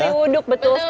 nasi uduk betul sekali